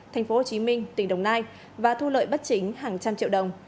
tp hcm tỉnh đồng nai và thu lợi bất chính hàng trăm triệu đồng